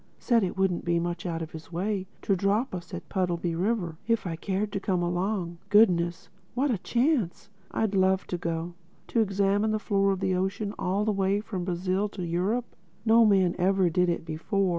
Said it wouldn't be much out of his way to drop us at Puddleby River, if we cared to come along—Goodness, what a chance! I'd love to go. To examine the floor of the ocean all the way from Brazil to Europe! No man ever did it before.